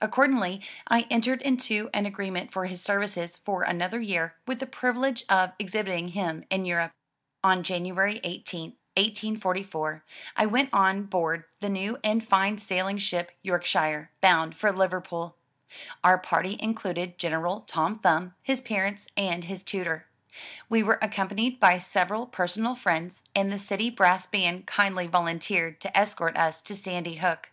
Accordingly I entered into an agree ment for his services for another year with the privilege of ex hibiting him in Europe. * Arranged from The Life of P. T. Bamum» written by himself. 163 M Y BOOK HOUSE 3>OKJ^ P. On January 18, 1844, I went on board the new and fine sailing ship, YorkshirCy bound for Liverpool. Our party included General Tom Thumb, his parents, and his tutor. We were accompanied by several personal friends, and the City Brass Band kindly volunteered to escort us to Sandy Hook.